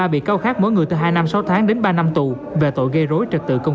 một mươi ba bị cáo khác mỗi người từ hai năm sáu tháng đến ba năm tù về tội gây rối trật tự công cộng